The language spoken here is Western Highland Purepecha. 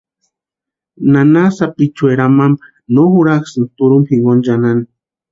Nana sapichueri amampa no jurakʼusti turhumpa jinkoni chʼanani.